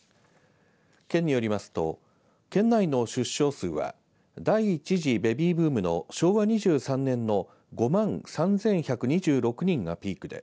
県によりますと県内の出生数は第１次ベビーブームの昭和２３年の５万３１２６人がピークで